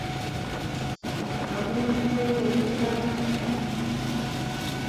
akonin ko ye ichame.